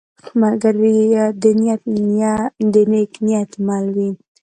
ملګری د نیک نیت مل وي